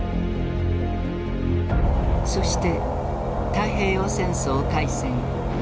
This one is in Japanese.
そして太平洋戦争開戦。